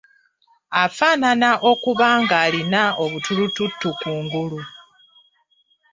Afaanana okuba ng’alina obutulututtu ku ngulu.